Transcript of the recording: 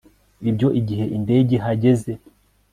ibyo igihe indege ihageze